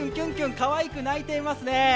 かわいく鳴いてますね。